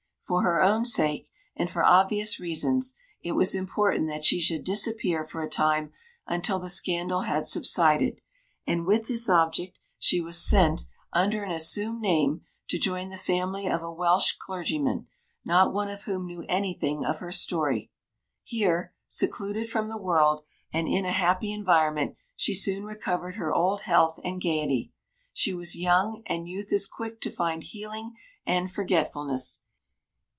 For her own sake, and for obvious reasons, it was important that she should disappear for a time until the scandal had subsided; and with this object she was sent, under an assumed name, to join the family of a Welsh clergyman, not one of whom knew anything of her story. Here, secluded from the world, and in a happy environment, she soon recovered her old health and gaiety. She was young; and youth is quick to find healing and forgetfulness.